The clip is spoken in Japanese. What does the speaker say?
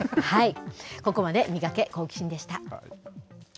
ここまでミガケ、好奇心！でした。